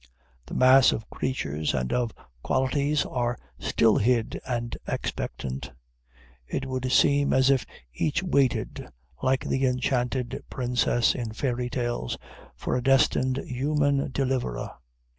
The mass of creatures and of qualities are still hid and expectant. It would seem as if each waited, like the enchanted princess in fairy tales, for a destined human deliverer.